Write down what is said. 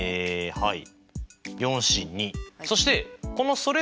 はい。